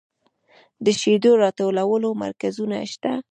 د شیدو راټولولو مرکزونه شته؟